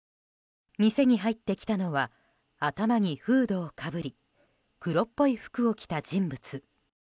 店に入ってきたのは頭にフードをかぶり黒っぽい服を着た人物。